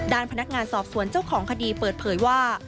ด้านพนักงานสอบสวนเจ้าของคดีเปิดเผยว่า